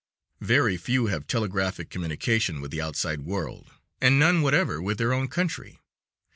Very few have telegraphic communication with the outside world, and none whatever with their own country.